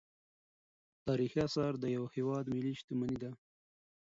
تاریخي اثار د یو هیواد ملي شتمني ده.